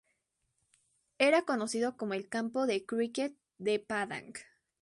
Era conocido como el campo de críquet de Padang.